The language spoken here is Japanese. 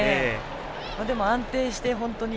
安定して本当に。